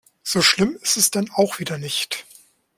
So schlimm ist es dann auch wieder nicht.